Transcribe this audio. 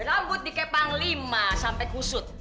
rambut di kepang lima sampai kusut